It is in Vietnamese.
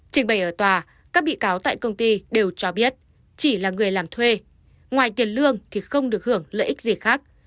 trình bày ở tòa các bị cáo tại công ty đều cho biết chỉ là người làm thuê ngoài tiền lương thì không được hưởng lợi ích gì khác